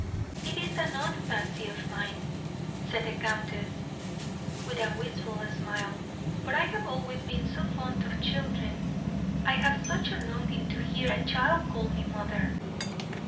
"It is an odd fancy of mine," said the countess, with a wistful smile, "but I have always been so fond of children. I have such a longing to hear a child call me mother.